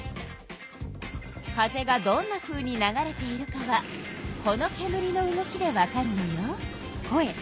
風がどんなふうに流れているかはこのけむりの動きでわかるのよ。